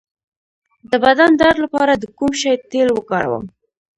د بدن درد لپاره د کوم شي تېل وکاروم؟